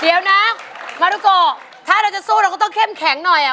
เดี๋ยวนะมารุโกถ้าเราจะสู้เราก็ต้องเข้มแข็งหน่อยอ่ะ